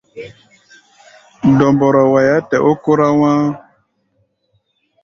Dɔmbɔrɔ waiá tɛ ó kórá wá̧á̧.